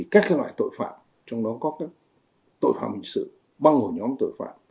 các loại tội phạm trong đó có tội phạm hình sự băng hồi nhóm tội phạm